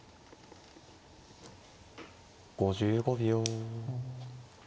５５秒。